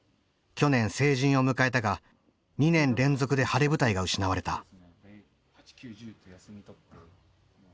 去年成人を迎えたが２年連続で晴れ舞台が失われた。